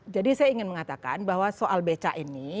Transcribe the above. jadi saya ingin mengatakan bahwa soal bca ini